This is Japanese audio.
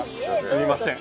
すいません。